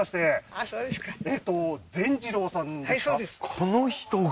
この人が？